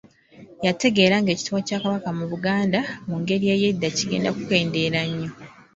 Yategeera ng'ekitiibwa kya Kabaka mu Buganda mu ngeri ey'edda kigenda kukendeera nnyo.